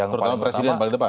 terutama presiden paling depan